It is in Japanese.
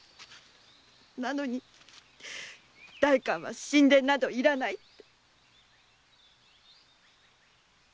なのに代官は新田などいらないって。